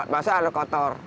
masa ada kotor